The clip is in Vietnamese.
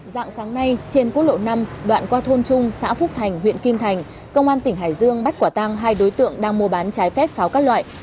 dạng sáng nay trên quốc lộ năm đoạn qua thôn trung xã phúc thành huyện kim thành công an tỉnh hải dương bắt quả tang hai đối tượng đang mua bán trái phép pháo các loại